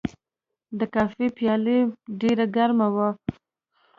د کافي پیاله ډېر ګرمه وه.